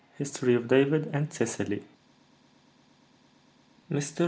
HISTORY OF DAVID AND CECILY. "Mr.